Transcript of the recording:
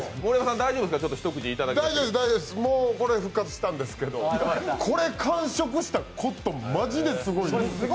大丈夫です、もうこれで復活したんですけどこれ、完食したコットン、マジですごい。